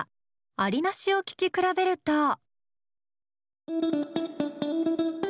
ありなしを聴き比べると。